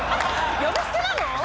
呼び捨てなの？